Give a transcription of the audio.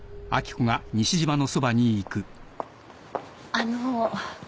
あの。